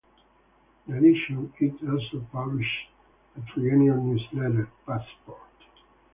In addition, it also publishes a triennial newsletter, Passport.